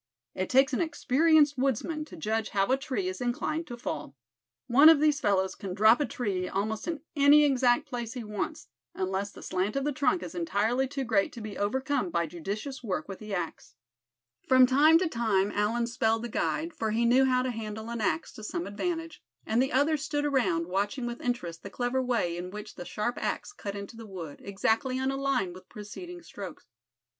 It takes an experienced woodsman to judge how a tree is inclined to fall. One of these fellows can drop a tree almost in any exact place he wants, unless the slant of the trunk is entirely too great to be overcome by judicious work with the axe. From time to time Allan "spelled" the guide, for he knew how to handle an axe to some advantage. And the others stood around, watching with interest the clever way in which the sharp axe cut into the wood, exactly on a line with preceding strokes.